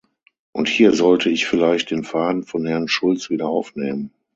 Und hier sollte ich vielleicht den Faden von Herrn Schulz wieder aufnehmen.